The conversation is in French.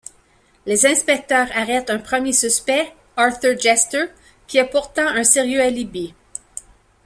Les inspecteurs arrêtent un premier suspect, Arthur Jester, qui a pourtant un sérieux alibi.